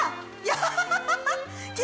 ハハハハ！